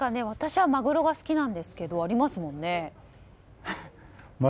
私はマグロが好きなんですけどありますものね。